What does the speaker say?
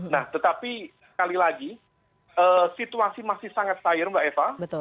nah tetapi sekali lagi situasi masih sangat cair mbak eva